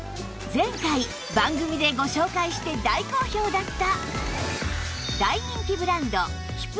前回番組でご紹介して大好評だった